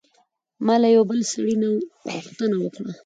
ما له یوه بل سړي نه غوښتنه وکړه.